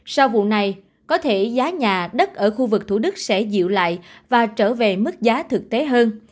sau vụ này có thể giá nhà đất ở khu vực thủ đức sẽ dịu lại và trở về mức giá thực tế hơn